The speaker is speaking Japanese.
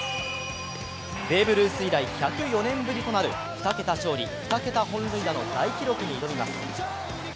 ベーブ・ルース以来１０４年ぶりとなる２桁勝利、２桁本塁打の大記録に挑みます。